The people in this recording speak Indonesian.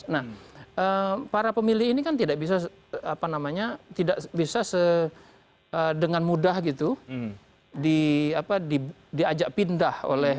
nah para pemilih ini kan tidak bisa dengan mudah gitu diajak pindah oleh